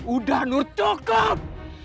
udah nur cukup